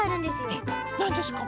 えっなんですか？